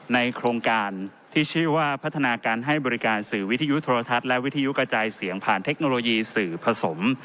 ในโครงการที่ชื่อว่าพัฒนาการให้บริการสื่อวิทยุโทรทัศน์และวิทยุกระจายเสียงผ่านเทคโนโลยีสื่อผสม